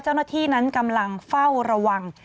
เจ้าหน้าที่นั้นกำลังเฝ้าระวัง